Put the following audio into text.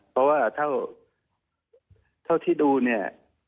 เพราะว่าเท่าที่ดูเนี่ย